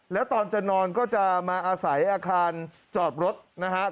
แล้วตอนจะนอนก็จะมาอาศัยอาคารจอดรถนะครับ